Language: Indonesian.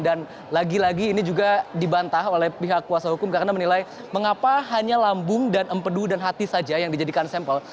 dan lagi lagi ini juga dibantah oleh pihak kuasa hukum karena menilai mengapa hanya lambung dan empedu dan hati saja yang dijadikan sampel